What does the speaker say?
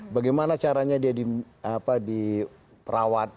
bagaimana caranya dia diperawat